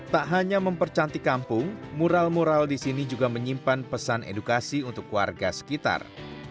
tak hanya mempercantik kampung mural mural di sini juga menyimpan pesan edukasi untuk warga sekitar